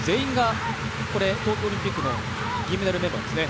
東藤なな子、東京オリンピックの銀メダルメンバーです。